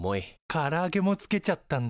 からあげもつけちゃったんだ。